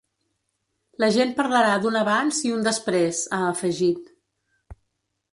La gent parlarà d’un abans i un després, ha afegit.